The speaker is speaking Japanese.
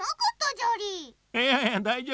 いやいやだいじょうぶ。